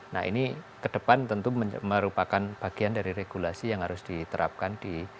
nah ini kedepan tentu merupakan bagian dari regulasi yang harus diterapkan